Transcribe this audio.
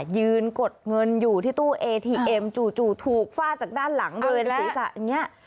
ยืนกดเงินอยู่ที่ตู้เอทีเอ็มจู่ถูกฟาดจากด้านหลังบริเวณศีรษะอย่างนี้